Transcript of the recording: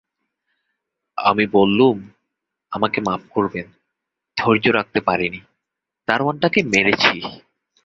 আমি বললুম, আমাকে মাপ করবেন, ধৈর্য রাখতে পারি নি, দারোয়ানটাকে মেরেছি।